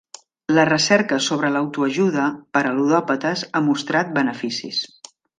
La recerca sobre la autoajuda per a ludòpates ha mostrat beneficis.